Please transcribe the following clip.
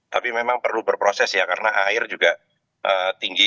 tapi memang perlu berproses ya karena air juga tinggi